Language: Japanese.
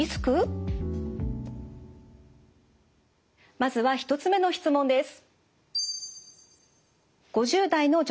まずは１つ目の質問です。